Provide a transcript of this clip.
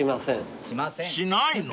［しないの？］